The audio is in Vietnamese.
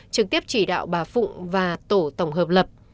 trực tiếp chỉ đạo bà phụng và tổ tổng hợp lập